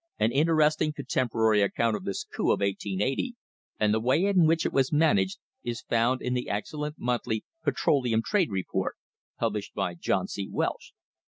An interesting contemporary account of this coup of 1880, and the way in which it was managed, is found in the excel lent monthly Petroleum Trade Report, published by John C. Welch.